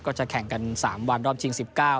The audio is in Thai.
ก็จะแข่งกัน๓วันรอบชิง๑๙